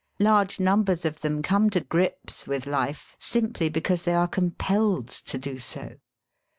Large numbers of them come to grips with life simply because they are compelled to do so.